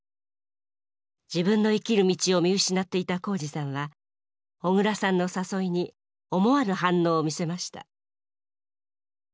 自分の生きる道を見失っていた宏司さんは小椋さんの誘いに思わぬ反応を見せました。